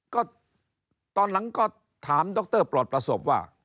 ก็ตอนหลังก็ถามดรปลอดประสบว่า